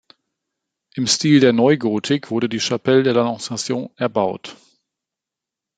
Im Stil der Neugotik wurde die Chapelle de l’Annonciation erbaut.